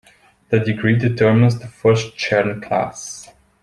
The degree determines the first Chern class.